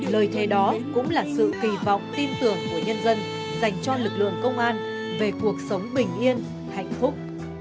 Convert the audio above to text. lời thề đó cũng là sự kỳ vọng tin tưởng của nhân dân dành cho lực lượng công an về cuộc sống bình yên hạnh phúc